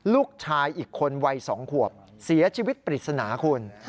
ลูกชายอีกคนวัย๒ขวบเสียชีวิตปริศนาคุณ